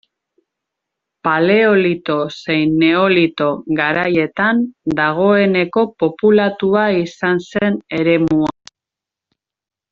Paleolito zein Neolito garaietan dagoeneko populatua izan zen eremua.